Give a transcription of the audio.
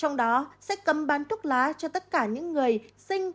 trong đó sẽ cấm bán thuốc lá cho tất cả những người sinh